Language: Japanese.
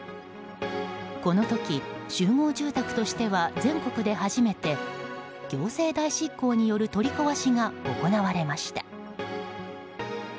この時、集合住宅としては全国で初めて行政代執行による取り壊しが行われました。